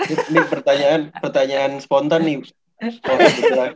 ini pertanyaan pertanyaan spontan nih